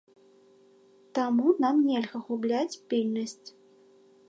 Таму нам нельга губляць пільнасць.